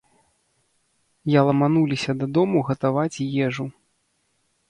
Я ламануліся дадому гатаваць ежу.